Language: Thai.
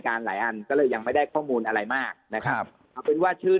หลายอันก็เลยยังไม่ได้ข้อมูลอะไรมากนะครับเอาเป็นว่าชื่อ